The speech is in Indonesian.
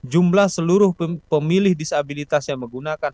jumlah seluruh pemilih disabilitas yang menggunakan